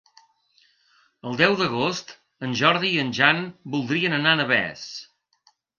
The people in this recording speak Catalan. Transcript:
El deu d'agost en Jordi i en Jan voldrien anar a Navès.